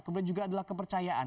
kemudian juga adalah kepercayaan